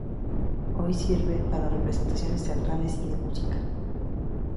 Hoy sirve a representaciones teatrales y de música.